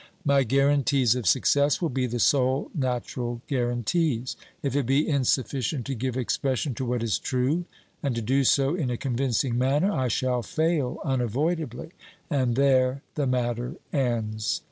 My guarantees of success will be the sole natural guarantees. If it be insufficient to give expression to what is true, and to do so in a convincing manner, I shall fail unavoidably, and there the matter ends.